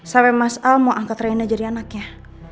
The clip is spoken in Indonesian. sampai mas al mau angkat reinna jadi anaknya